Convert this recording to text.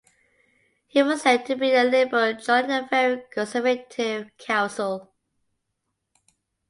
He was said to be a liberal joining a very conservative council.